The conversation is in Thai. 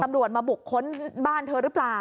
ตำรวจมาบุกค้นบ้านเธอหรือเปล่า